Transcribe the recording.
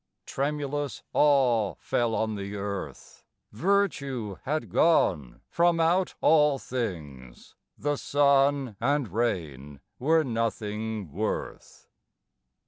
Tremulous awe fell on the earth, Virtue had gone from out all things, The sun and rain were nothing worth.